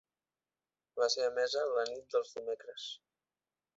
Va ser emesa la nit dels dimecres.